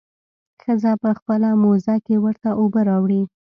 ښځه په خپله موزه کښې ورته اوبه راوړي.